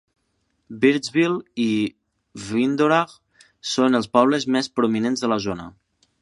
Birdsville i Windorah són els pobles més prominents de la zona.